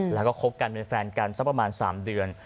แล้วก็คบกันเป็นแฟนกันสักประมาณ๓เดือน